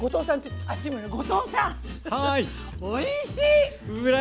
おいしい！